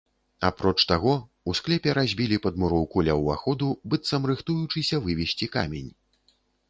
Апроч таго, у склепе разбілі падмуроўку ля ўваходу, быццам рыхтуючыся вывезці камень.